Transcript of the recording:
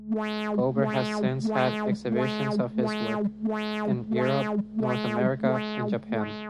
Gober has since had exhibitions of his work in Europe, North America and Japan.